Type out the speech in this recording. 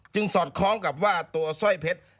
สอดคล้องกับว่าตัวสร้อยเพชร